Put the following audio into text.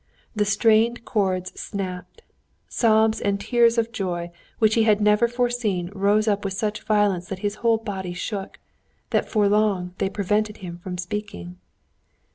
The strained chords snapped, sobs and tears of joy which he had never foreseen rose up with such violence that his whole body shook, that for long they prevented him from speaking.